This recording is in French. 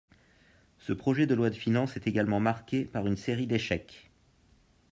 Ce projet de loi de finances est également marqué par une série d’échecs.